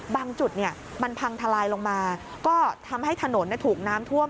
บางจุดมันพังทลายลงมาก็ทำให้ถนนถูกน้ำท่วม